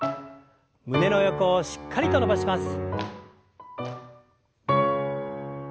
胸の横をしっかりと伸ばします。